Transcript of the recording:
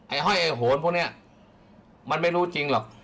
ห้อยไอ้โหนพวกนี้มันไม่รู้จริงหรอก